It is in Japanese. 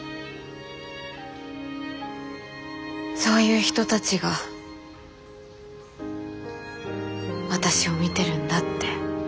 そういう人たちが私を見てるんだって。